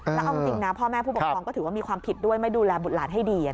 แล้วเอาจริงนะพ่อแม่ผู้ปกครองก็ถือว่ามีความผิดด้วยไม่ดูแลบุตรหลานให้ดี